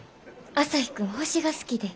朝陽君星が好きで。